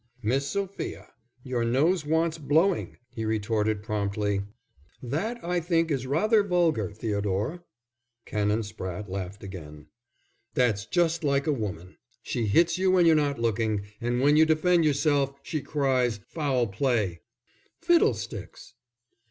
"Miss Sophia, your nose wants blowing," he retorted promptly. "That I think is rather vulgar, Theodore." Canon Spratte laughed again. "That's just like a woman; she hits you when you're not looking, and when you defend yourself, she cries: 'Foul play!'" "Fiddlesticks!"